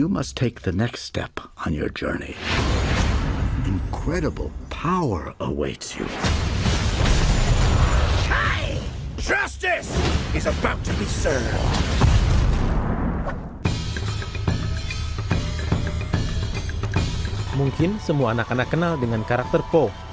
mungkin semua anak anak kenal dengan karakter po